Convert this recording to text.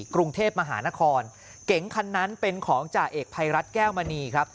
กรุงเทพมหานครเก๋งคันนั้นเป็นของจ่าเอกภัยรัฐแก้วมณีครับ